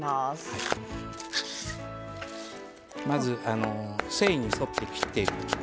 まず繊維に沿って切っていくと。